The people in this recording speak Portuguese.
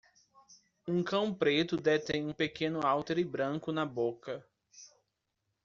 Um cão preto detém um pequeno haltere branco na boca.